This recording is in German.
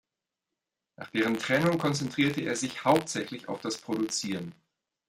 Nach deren Trennung konzentrierte er sich hauptsächlich auf das Produzieren.